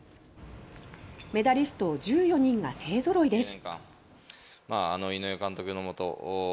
メダリスト１４人が勢ぞろいしました。